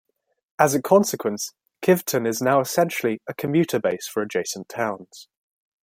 As a consequence, Kiveton is now essentially a commuter base for adjacent towns.